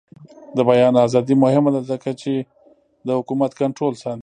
د بیان ازادي مهمه ده ځکه چې د حکومت کنټرول ساتي.